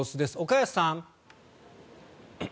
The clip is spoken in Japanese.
岡安さん。